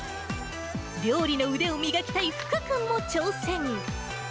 料理の腕を磨きたい福君も挑戦。